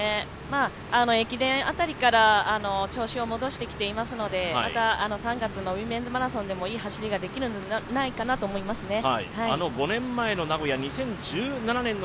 駅伝辺りから調子を戻してきていますのでまた３月のウィメンズマラソンでもいい走りができるのではないかと思います。